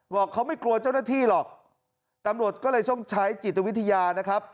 บอกเขาไม่กลัวเจ้าหน้าที่หรอกตำรวจก็เลยต้องใช้จิตวิทยานะครับ